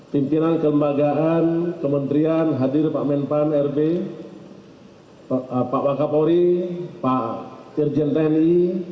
pimpinan kelembagaan kementerian hadir pak menpan pak wakapori pak tirjen reni